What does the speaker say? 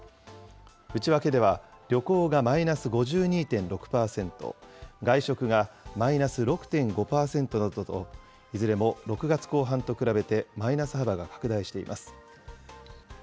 内訳では旅行がマイナス５２．６％、外食がマイナス６．５％などと、いずれも６月後半と比べてマイナス幅が拡大しています。